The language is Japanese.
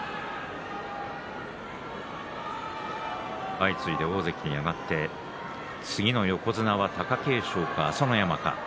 相次いで大関に上がって次の横綱は貴景勝か朝乃山か。